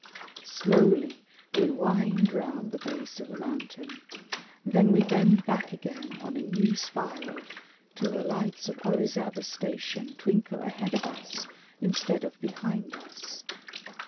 Slowly we wind round the base of the mountain, then we bend back again on a new spiral till the lights of Orizaba Station twinkle ahead of us instead of behind us.